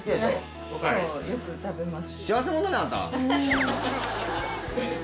そうよく食べます。